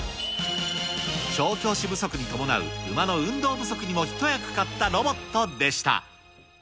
調教師不足に伴う馬の運動不足にも一役買ったロボットでした。